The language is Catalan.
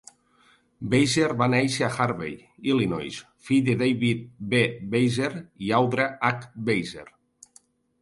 Weiser va néixer a Harvey, Illinois, fill de David W. Weiser i Audra H. Weiser.